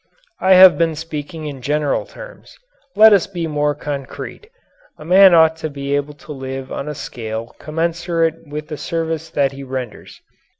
I have been speaking in general terms. Let us be more concrete. A man ought to be able to live on a scale commensurate with the service that he renders.